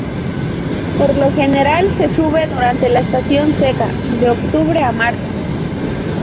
Por lo general se sube durante la estación seca: de octubre a marzo.